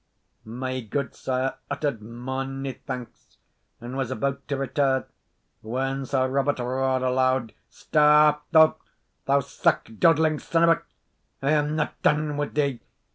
My gudesire uttered mony thanks, and was about to retire, when Sir Robert roared aloud, "Stop, though, thou sack doudling son of a ! I am not done with thee.